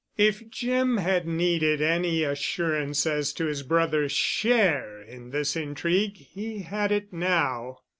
If Jim had needed any assurance as to his brother's share in this intrigue he had it now.